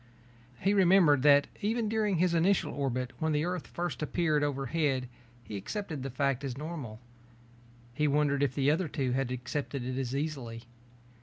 He remembered that even during his initial orbit when the Earth first appeared overhead he accepted the fact as normal. He wondered if the other two had accepted it as easily.